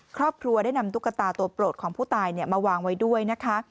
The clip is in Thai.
ครอบครัวได้นำตุ๊กตาตัวโปรดของผู้ตายมาวางไว้ด้วยนะคะ